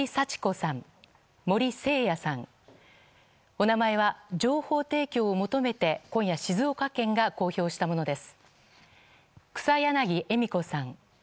お名前は情報提供を求めて今夜、静岡県が公表したものです。